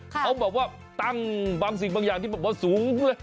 เขาบอกว่าตั้งบางสิ่งบางอย่างที่สูงเลย